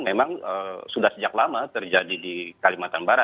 memang sudah sejak lama terjadi di kalimantan barat